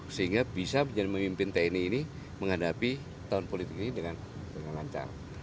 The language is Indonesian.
sehingga bisa menjadi pemimpin tni ini menghadapi tahun politik ini dengan lancar